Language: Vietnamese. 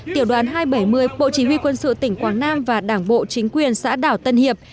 tiểu đoàn hai trăm bảy mươi bộ chỉ huy quân sự tỉnh quảng nam và đảng bộ chính quyền xã đảo tân hiệp